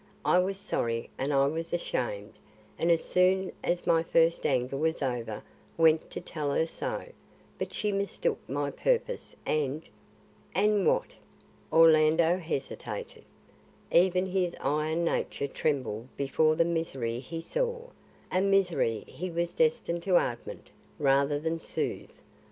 I was sorry and I was ashamed, and as soon as my first anger was over went to tell her so. But she mistook my purpose and " "And what?" Orlando hesitated. Even his iron nature trembled before the misery he saw a misery he was destined to augment rather than soothe.